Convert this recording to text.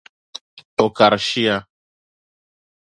O kari shia.